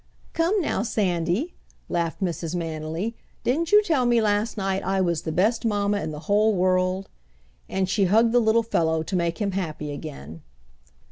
"Come now, Sandy," laughed Mrs. Manily. "Didn't you tell me last night I was the best mamma in the whole world?" and she hugged the little fellow to make him happy again.